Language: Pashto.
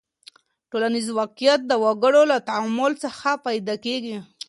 ټولنیز واقعیت د وګړو له تعامل څخه پیدا کیږي.